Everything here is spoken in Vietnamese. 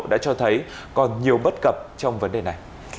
đã cho thấy còn nhiều bất cập trong vấn đề này